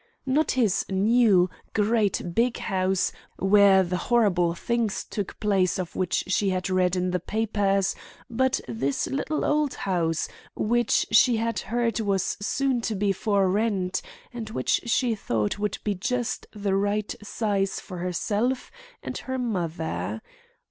Not his new, great, big house, where the horrible things took place of which she had read in the papers, but his little old house, which she had heard was soon to be for rent, and which she thought would be just the right size for herself and mother.